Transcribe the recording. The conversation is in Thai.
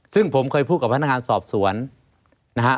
ซึ่งผมเคยพูดกับพนักงานสอบสวนนะฮะ